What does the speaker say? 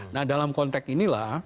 nah dalam konteks inilah